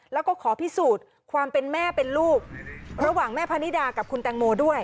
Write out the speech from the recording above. แล้วก็ขอพิสูจน์ความเป็นแม่เป็นลูกระหว่างแม่พนิดากับคุณแตงโมด้วย